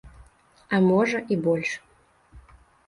А можа, і больш.